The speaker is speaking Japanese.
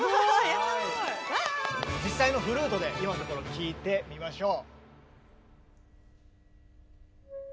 実際のフルートで今のところ聴いてみましょう。